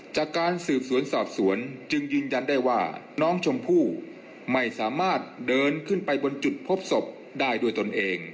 จากการสืบสวนสอบสวนจึงยืนยันได้ว่าน้องชมพู่ไม่สามารถเดินขึ้นไปบนจุดพบศพได้ด้วยตนเอง